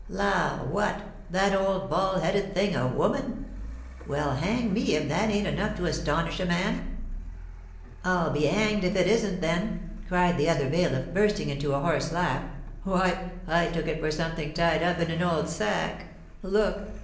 "La! what, that old bald headed thing a woman? Well, hang me if that ain't enough to astonish a man!" "I'll be hanged if it isn't, then!" cried the other bailiff, bursting into a horse laugh; "why, I took it for something tied up in an old sack. Look!